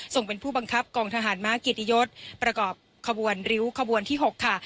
ส่งเป็นผู้บังคับกองทหารม้าเกียรติยศประกอบขบวนริ้วขบวนที่๖ค่ะ